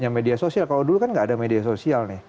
media sosial kalau dulu kan nggak ada media sosial nih